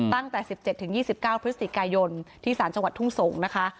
ตั้งแต่สิบเจ็ดถึงยี่สิบเก้าพฤศจิกายนที่สารจังหวัดทุ่งสงศ์นะคะ